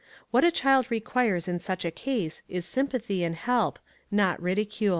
What a child requires in such a case is sympathy and help, not ridicule.